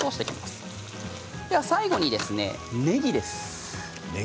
最後にねぎです。